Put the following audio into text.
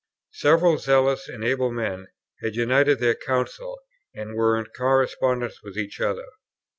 Several zealous and able men had united their counsels, and were in correspondence with each other.